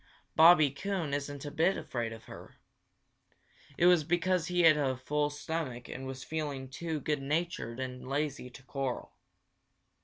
Bobby Coon isn't a bit afraid of her. It was because he had a full stomach and was feeling too good natured and lazy to quarrel.